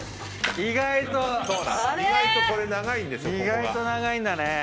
意外と長いんだね。